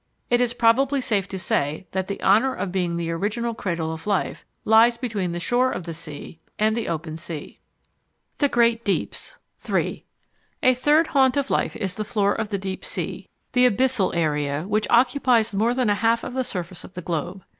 It is probably safe to say that the honour of being the original cradle of life lies between the shore of the sea and the open sea. The Great Deeps 3. A third haunt of life is the floor of the Deep Sea, the abyssal area, which occupies more than a half of the surface of the globe.